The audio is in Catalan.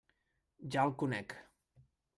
Ja el conec.